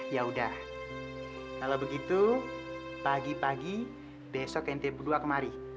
ya udah kalau begitu pagi pagi besok ntb dua kemari